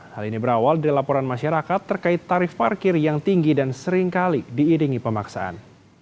hal ini berawal dari laporan masyarakat terkait tarif parkir yang tinggi dan seringkali diiringi pemaksaan